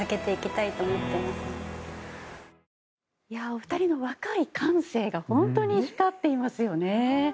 お二人の若い感性が本当に光っていますよね。